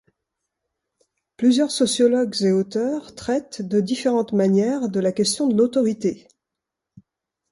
Plusieurs sociologues et auteurs traitent, de différentes manières, la question de l’autorité.